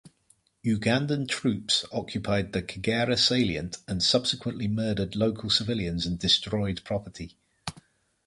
Ugandan troops occupied the Kagera Salient and subsequently murdered local civilians and destroyed property.